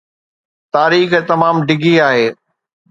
تاريخ تمام ڊگهي آهي